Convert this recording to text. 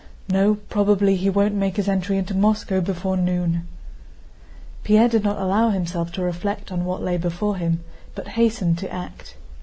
"No, probably he won't make his entry into Moscow before noon." Pierre did not allow himself to reflect on what lay before him, but hastened to act.